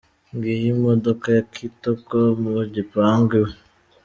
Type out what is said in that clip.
Ngiyo imdoka ya Kitoko mu gipangu iwe.